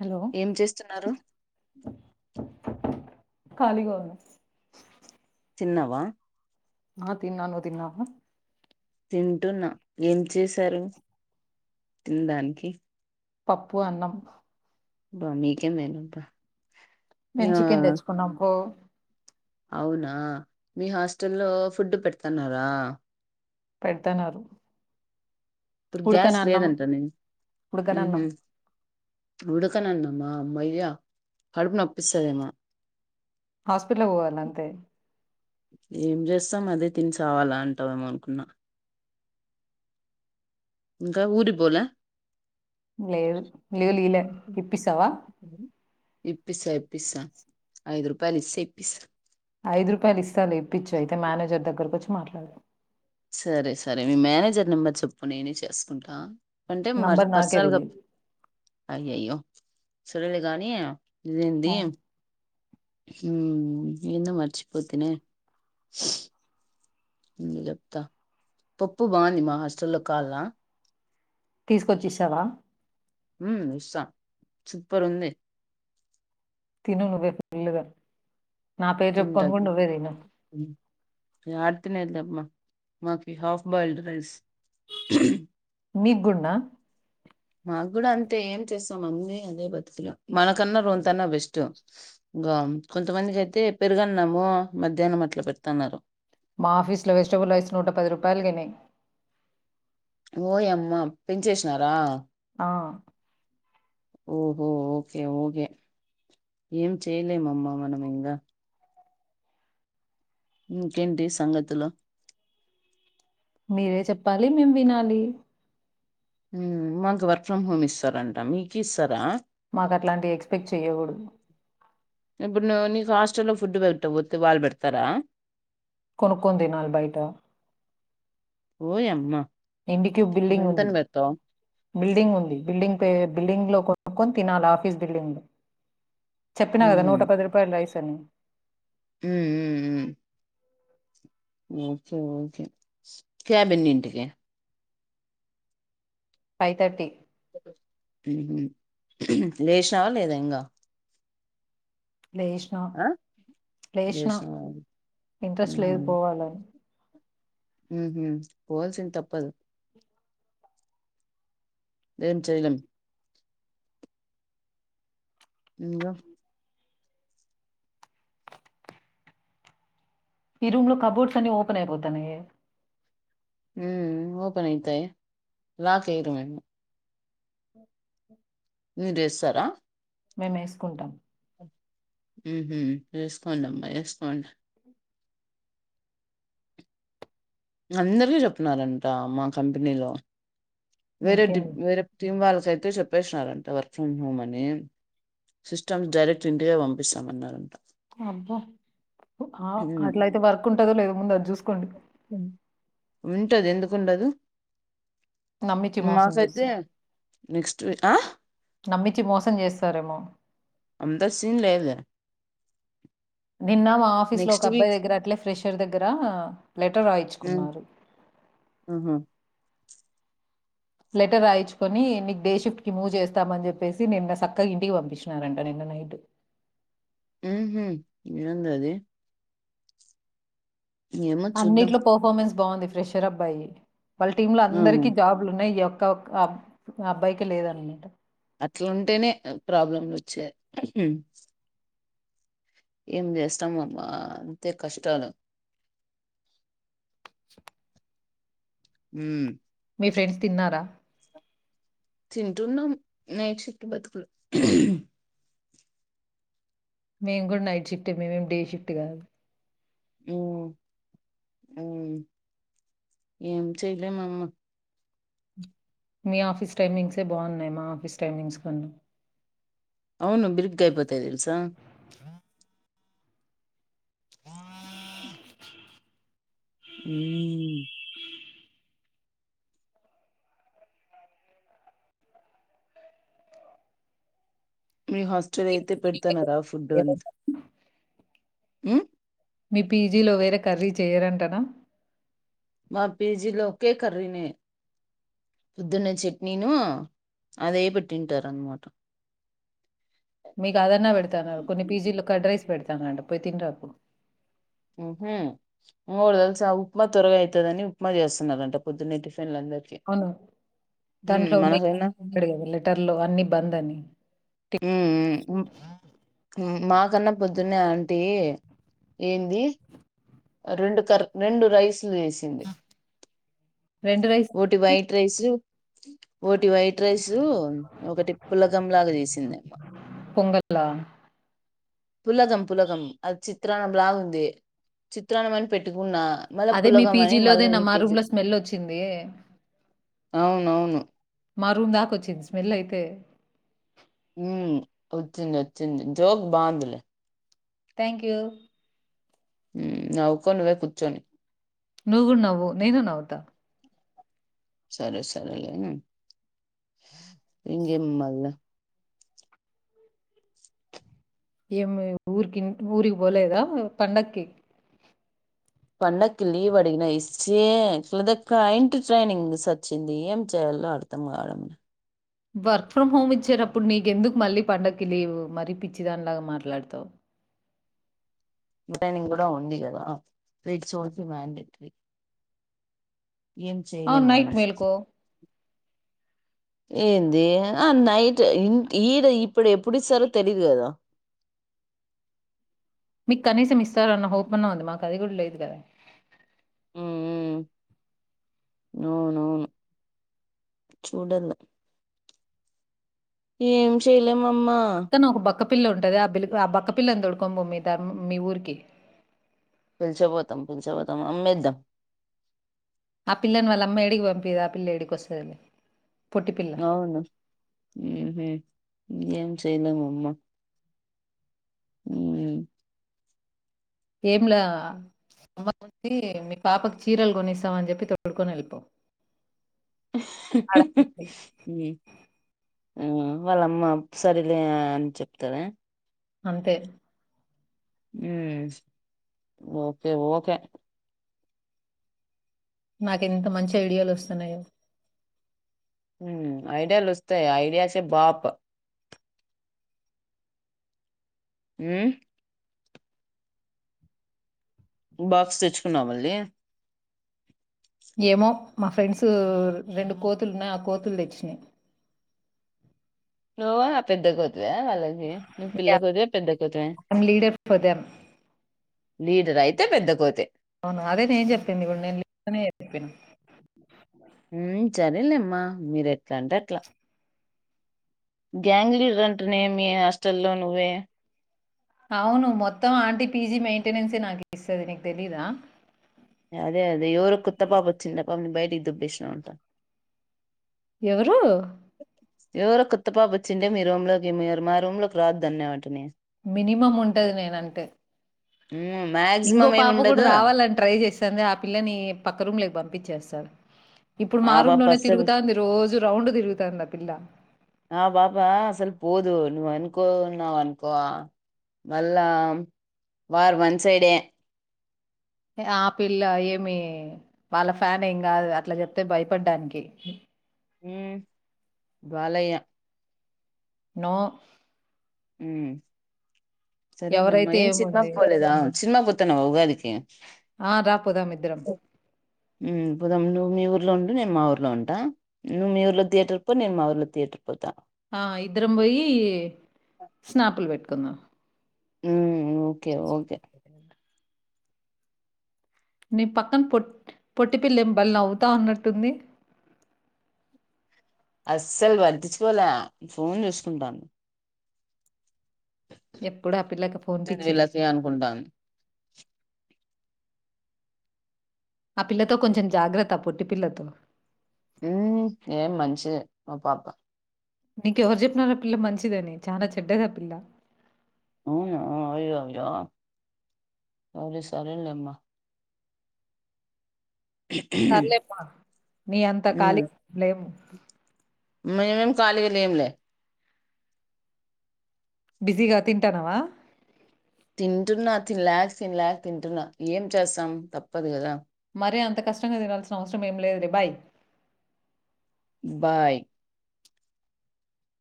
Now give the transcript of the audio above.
Hello ఏం చేస్తున్నారు. ఖాళీగా ఉన్నా. తిన్నవా. ఆ తిన్నా నువ్ తిన్నావా. తింటున్నా. ఏం చేసారు తిన్డానికి. పప్పు, అన్నం. అబ్బా నీకే మేలబ్బా. మేం చికెన్ తెచ్చుకున్నాం పో. అవునా మీ హాస్టల్లో ఫుడ్ పెడ్తన్నారా. పెడతన్నారు. ఇప్పుడు ఉడకని గ్యాస్ అన్నం లేదంట నే. ఉడకని ఊహూ అన్నం ఉడకనన్నం మా మయ్యా కడుపు నొప్పిస్తదేమో. హాస్పిటలక్ పోవాల నంతే. ఏం చేస్తాం అదే తినిసావాలా అంటావేమో అనుకున్నా. ఇంకా ఊరిక్ పోలే. లేదు లీవులియ్యలే ఇప్పిస్తవా. ఇప్పిస్తా ఇప్పిస్తా. ఐదు రూపాయలు ఇస్తే ఇప్పిస్తా. ఐదు రూపాయలిస్ సాలు ఇప్పిచ్చు ఐతేే మేనేజర్ దగ్గరకొచ్చి మాట్లా [inaudible] సరే సరే మీ మేనేజర్ నెంబర్ చెప్పు నేనే చేసుకుంటా అంటే మరి నంబర్ నాకే పర్సనల్గా తెలియదు అయ్యయ్యో సరేలే గానీ ఇదేంది ఆ హుమ్ ఏందో మర్చిపోతినే ఉండు చెప్తా పప్పు బావుంది మా హస్టల్ లో కావాల్నా తీసుకొచ్చిస్తావా ఉమ్మ్ ఇస్తా సూపర్ ఉంది తిను నువ్వే ఫుల్లుగా నా పేరు తింటా చెప్పుకొని కూడ తీ నువ్వే తిను హ్మ్. యాడ తినేది లేమ్మా మాకి హాఫ్ బాయిల్డ్ రైస్ మీక్ గూడ్నా మాకు కూడా అంతే ఏం చేస్తాం అన్నీ అదే బతుకలు మనకన్నా రొంతన్నా బెస్ట్ ఇంకా కొంతమందికయితే పెరుగన్నము మధ్యాహ్నం అట్లా పెడ్తాన్నారు మా ఆఫీస్లో వెజిటబుల్ రైస్ నూట పది రూపాయలు గైనై ఓయమ్మ పెంచేసినారా ఆ ఓహో ఓకే ఓకే ఏం చేయలేమమ్మ మనం ఇంగ ఇంకేంటి సంగతులు మీరే చెప్పాలి మేం వినాలి ఉమ్మ్ మాకు వర్క్ ఫ్రమ్ హోమ్ ఇస్తారంట మీకీ ఇస్తారా మాకు అట్లాంటి ఎక్స్పెక్ట్ చెయ్యకూడడు ఇప్పుడు ను నీకు హాస్టల్లో ఫుడ్ పెట్టకపోతే వాళ్ళు పెడతారా కొనుక్కొని తినాలి బైట ఓయమ్మ ఇండి క్యూ బిల్డింగ్ ఉంది బిల్డింగ్ ఉంది బిల్డింగ్ తో బిల్డింగ్ లో కొనుక్కొని తినాలి ఆఫీస్ బిల్డింగ్ లో చెప్పినా ఉమ్, కదా నూట పది రూపాయలు రైస్ టన్ ఉమ్మ్ మ్మ్ మ్ ఓకే ఓకే క్యాబ్ ఎన్నింటికి ఫైవ్ తర్టీ ఊహూ లేచినావా లేదా ఇంగి లేచినా లేచినా లేచినావా ఇంట్రెస్ట్ లేదు పోవాలని ఊహూ పోవాల్సింది తప్పదు ఏం చెయ్ లేం ఇంగా ఈ రూమ్ లో కబోర్డ్స్ అన్ని ఓపెన్ అయిపోతన్నాయే మ్మ్ ఓపన్ ఐతాయి లాక్ ఎయ్ రు మేము మీదేస్తారా మేమేసుకుంటాం ఊహూ ఏసుకోండమ్మా ఏసుకోండ అందరికి చెప్పిన్నారంట మా కంపెనీలో వేరే ఇంకేం డిప్ వేరే టీమ్ వాళ్ళ కైతే చెప్ వేసినారంట వర్క్ ఫ్రమ్ హోమ్ అని సిస్టమ్స్ డైరెక్ట్ ఇంటికే పంపిస్తామన్నారంట. అబ్బా ఆ హ్మ్. అట్లయితే వర్క్ ఉంటందో లేద ముందు అది చూసుకోండి వింటది ఎందుకుండదు నమ్మిచ్చి మోసం మాకైతే చేసి నెక్స్ట్ వీ ఆ? నమ్మిించి మోసం చేసారేమో అంత సీన్ లేద్లే నిన్న మా ఆఫీస్ లో ఒక అబ్బాయి వీక్ దగ్గర అట్లే ఫ్రెషర్ దగ్గర లెటర్ హ్మ్. రాయించుకున్నారు. ఆహా! లెటర్ రాయించుకొని నీకు డే షిఫ్ట్ కి మూవ్ చేస్తామని చెప్పేసి నిన్న చక్కగా ఇంటికి పంపించినారంట నిన్న నైట్. ఉ హుమ్ ఏంది అది చూద్దాం. అన్నిట్లో పర్ఫార్మెన్స్ బాగుంది ఫ్రెషర్ అబ్బాయి వాళ్ళ టీమ్ లో ఆహా! అందరికీ జాబ్లు ఉన్నయి యో తోప్ అబ్ ఆ అబ్బాయికి లేదనమాట అట్ల ఉంటేనే ప్రాబ్లంలు వచ్చాయి ఊహుమ్ ఏం చేస్తాంఅమ్మా అంతే కష్టాలు ఉమ్మ్ మీ ఫ్రెండ్స్ తిన్నారా తింటున్నాం నైట్ షిఫ్ట్ బతుకులు మేము కూడా నైట్ షిఫ్ట్ మేమేం డే షిఫ్ట్ కాదు వుమ్మ్ వుమ్మ్ ఏం చెయలేమమ్మ మీ ఆఫిస్ టైమింగ్ సే బాగున్నాయి మా ఆఫీస్ టైమింగ్స్ కొన్ని అవును బిరుగ్గా అయిపోతాయి తెల్సా ఆ ఊమ్మ్ మీ హాస్టల్ అయితే పెడతనారా ఫుడ్ అంత ఉమ్మ్ మీ పీజీలో వేరే కర్రీ చేయరంటరా మా పేజీలో ఒకే కర్రీనే పొద్దున్నే చట్నీను అదే పెట్టింటారు అన్నమాట మీకు అదన్న పెడతాన్నారు కొన్ని పీజీలు కర్డ్ రైస్ పెడతానారంట. పోయి తినిరాపో ఉహుమ్మ్ ఇంకోటి తెల్సా ఉప్మా త్వరగా అయితాదని ఉప్మా చేస్తున్నారంట పొద్దున్న టిఫిన్ అవును ఉమ్ దాంట్లో [unintelligible] మనకైనా ఉమ్ గదా లెటర్ లో అన్ని బంద్ అని ఉమ్ ఊ ఉం మా కన్నా పొద్దునే టే ఏంది రెండు కర్ రెండు రైస్ వేసింది రైస్ ఒకటి వైట్ రైసు ఒకటి వైట్ రైసు ఒకటి పులగంలాగా చేసింద పొంగలా? పులగం పులగం అది చిత్రాన్నం లాగా ఉంది చిత్రాన్నం అని పెట్టుకున్న అదే మీ పీజీ లోదే నా మా రూమ్ లో స్మెల్ వచ్చింది అవునవును మా రూమ్ దాకాచ్చింది స్మెల్ అయితే ఉ వచ్చింది వచ్చింది జోక్ బాగుంది లే థ్యాంక్ యూ వుకో నువ్వో పిచ్చోనివి నువ్వు గూడ నవ్వు నేను గూడ నవ్వుతా సరే సరే లే అ ఇంగే మ్మళ్లే ఏం ఊరుకి ఊరుకి పోలేదా పండకి పండగక్కి లీవ్ అడిగిన [unintelligible] ట్రైనింగ్స్ వచ్చింది ఏం చేయాలో అడతాం కావడని వర్క్ ఫ్రమ్ హోమ్ ఇచ్చేటప్పుడు నీకెందుకు మళ్ళీ పండగకి లీవ్ మరీ పిచ్చిదానిలాగా మాట్లాడతావు ట్రైనింగ్ కూడా ఉంది కదా ఇట్స్ ఓల్ మండేటరీ ఏం అవును చేయలేం మన నైట్ మేలుకో. ఏంది ఆ నైట్ ఇ ఈడ ఇప్పుడు ఎప్పుడు ఇస్తారో తెలీదు కదా మీకు కనీసం ఇస్తారన్న హోప్ అన్నా ఉంది మాకు అది కూడా లేదు కదా అవును అవును చూడల ఏం చేలే మమ్మ క్కపిల్ల ఉంటది ఆ పిల్ ఆ బక్కపిల్లని దొడుకొనిపో మీ ధం మీ ఊరికి పిలుచుకపోతాం పిలుచుకపోతాం అమ్మేద్దాం ఆ పిల్లని వాళ్ళమ్మా ఎడికి పంపియదు ఆ పిల్ల ఎడికి వస్తది లే అవును హు ఎం చేలేము అమ్మా ఉం ఏంలా సంబంధి మీ పాపకు చీరలు కొనిస్తామ అని చెప్పి తొడుకొని వెళ్ళిపో ఆడ ఉం ఆ వాళ్ళమ్మ సరిలే అని చెప్తాదా అంతే ఉం ఓకే ఓకే నాకు ఎంత మంచి ఐడియాలు వస్తున్నాయో ఉం ఐడియాలు వస్తాయి ఐడియా సె బాప్ హుమ్ బాక్స్ తెచ్చుకున్నా మళ్ళీ ఏమో మా ఫ్రెండ్స్ రెండు కోతులున్నాయి ఆ కోతులు తెచ్చినాయి నువా ఆ పెద్ద గత్ వాళ్ళకి నువ్వు పిల్ల కోతి పెద్ద కోతే లీడర్ ఫర్ దెమ్ లీడర్ అయితే పెద్ద కోతి తిను మ మీరు ఎట్లాంటే అట్లా గ్యాంగ్ లీడర్ అంటేనే మి హాస్టల్లో నువ్వే అవును మొత్తం ఆంటీ పీజీ మెయింటెనెన్సే నాకు ఇస్తుది నీకు తిలియదా అదే అదే ఎవరు కొత్త పాప వచింది ఆ పాపా ను బయటికి దుబ్బేసిన అంట ఎవరు ఎవరో కొత్త పాప వచ్చిండే మీ రూమ్ లోకి మీరు మా రూమ్ లోకి రావద్దు అన్నా వాటనే మినిమం ఉంటది నేనంటే హ్మ్. ఇంకో మాక్సిమం పాప కూడా ఏముండదు. రావాలని ట్రై చేస్తంది ఆ పిల్లని పక్క రూమ్ లేకి పంపించేస్తాను ఇప్పుడు ఆ మారుూమ్ పాప లోనే అస్సలు తిరుగుతాంది రోజు రౌండ్ తిరుగుతాంది ఆ పిల్ల అ నువ్వు అనుకోన్నావ అనుకోవా మళ్ళా వారు వన్ సైడే ఆ పిల్ల ఏమి వాళ్ళ ఫ్యాన్ ఏం కాదు అట్లా చెప్తే భయపడ్డానికి ఉ బాలయ్య నో హు సరే లేమా ఎవరైతే ఏం సినిమా ఏముంది పోలేదా సినిమా పోతానవవా ఉగాది కి ఆ రా పోదాం ఇద్దరం హు పోదాం నువ్వు మీ ఊర్లో ఉండు నేను మా ఊర్లో ఉంటా నువ్వు మీ ఊర్లో థయేటర్ పో నేను మా ఊళలో థయేటర్ పో ఆ ఇద్దరం పోయి స్నాపులు పెట్టుకు కుందాం ఊ ఓకే ఓకే నీ పక్కన పొట్ పొట్టి పిల్ల ఏం భలే నవ్వుతా అన్నట్టుంది అస్సలు పట్టించుకోలే ఫోన్ చూసుకుంటాది ఎప్పుడు ఆ పిల్లలకు ఫోన్ "ఇది పిచ్చిది వీళ్ళకి అనుకుంటాను ఆ పిల్లతో కొంచెం జాగ్రత్త పొట్టి పిల్లతో ఉ ఏ మంచిదే ఆ పాప నీక ఎవరు చెప్పినార ఆ పిల్ల మంచిదని చానా చెడ్డది ఆ పిల్ల అవునా అయ్యయ్యో సారే సరేలే అమ్మా సర్లేమ్మా నీ అంత ఉమ్ ఖాళీగా లేము మేమేం ఖాళీగా లేంలే బిజీగా తింటానవా తింటున్నా తినలేక తినలేక తింటున్నా ఏం చేస్తాం తప్పదు కదా అరే అంత కష్టంగా తినాల్సిన అవసరం ఏం లేదు లే బాయ్ బాయ్